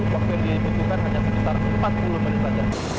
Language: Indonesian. waktu yang dibutuhkan hanya sekitar empat puluh menit saja